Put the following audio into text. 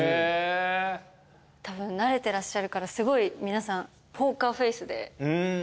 たぶん慣れてらっしゃるからすごい皆さんポーカーフェースで。